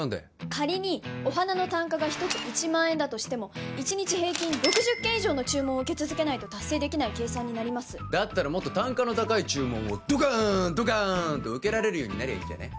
仮にお花の単価が１つ１万円だとしても１日平均６０件以上の注文を受け続けないと達成できない計算になりますだったらもっと単価の高い注文をドカーンドカーンと受けられるようになりゃいいんじゃね？